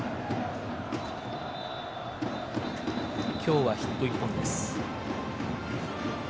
今日はヒット１本です。